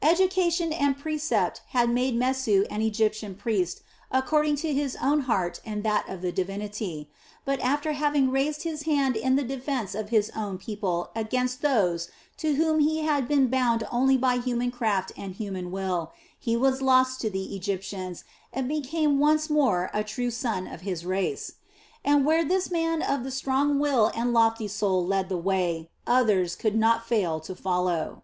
Education and precept had made Mesu an Egyptian priest according to his own heart and that of the divinity; but after having once raised his hand in the defence of his own people against those to whom he had been bound only by human craft and human will, he was lost to the Egyptians and became once more a true son of his race. And where this man of the strong will and lofty soul led the way, others could not fail to follow.